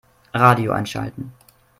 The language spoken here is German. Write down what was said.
Radio einschalten.